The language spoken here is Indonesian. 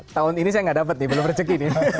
tahun ini saya nggak dapet nih belum berjeki nih